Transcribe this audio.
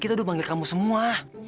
kita udah panggil kamu semua